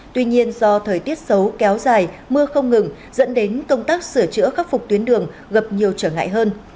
tuy nhiên do thời tiết xấu kéo dài mưa không ngừng dẫn đến công tác sửa chữa khắc phục tuyến đường gặp nhiều trở ngại hơn